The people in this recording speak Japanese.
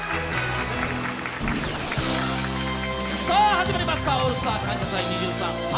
始まりました「オールスター感謝祭２０２３春」。